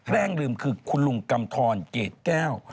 แรงลืมคือคุณลุงกำทรเกรดแก้ว